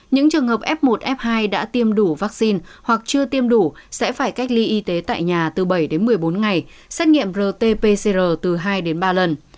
những trường hợp f một f hai đã tiêm đủ vaccine hoặc chưa tiêm đủ sẽ phải cách ly y tế tại nhà từ bảy đến một mươi bốn ngày xét nghiệm rt pcr từ hai đến ba lần